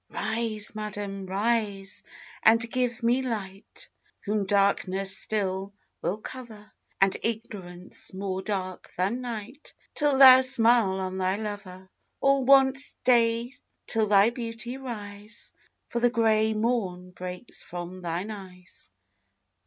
Rise, madam! rise, and give me light, Whom darkness still will cover, And ignorance, more dark than night, Till thou smile on thy lover. All want day till thy beauty rise, For the gray morn breaks from thine eyes.